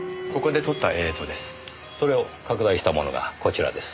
それを拡大したものがこちらです。